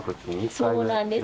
そうなんです。